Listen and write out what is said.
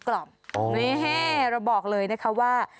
นี่เราบอกเลยนะคะว่า